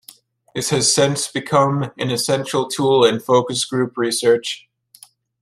This has since become an essential tool in focus group research.